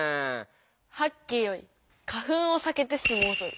「はっけよい花粉をさけてすもうとる」。